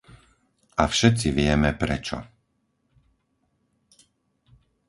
A všetci vieme, prečo.